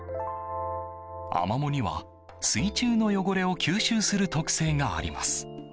アマモには水中の汚れを吸収する特性があります。